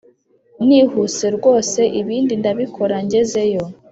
Nihuse rwose ibindi ndabikora ngeze yo